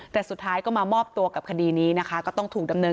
แต่สุดท้ายก็มามอบตัวกับคดีนี้นะคะก็ต้องถูกดำเนิน